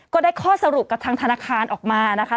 ก็ได้ข้อสรุปกับทางธนาคารออกมานะคะ